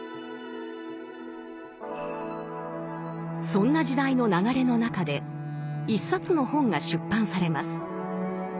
そんな時代の流れの中で一冊の本が出版されます。